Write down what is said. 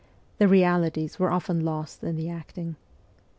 The realities were often lost in the acting.